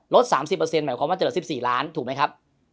๓๐หมายความว่าจะเหลือ๑๔ล้านถูกไหมครับ